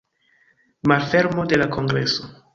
Malfermo de la kongreso.